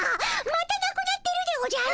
またなくなってるでおじゃる。